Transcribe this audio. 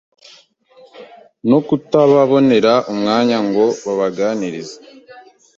no kutababonera umwanya ngo babaganirize